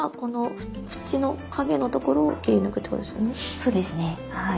そうですねはい。